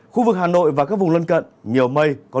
khu vực hà nội và các vùng lân cận nhiều mây